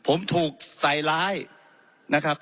ผมถูกใส่ร้ายนะครับ